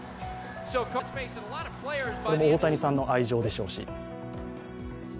これも大谷さんの愛情でしょうし。